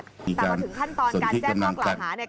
ตามว่าถึงขั้นตอนการแจ้งข้อเกล่าหา